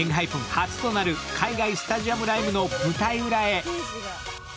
初となる海外スタジアムライブの舞台裏へ。